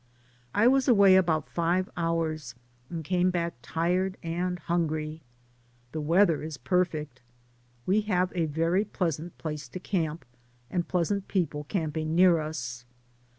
I was away about five hours and came back tired and hungry. The weather is perfect. We have a very pleasant place to camp, and pleasant people camping near us.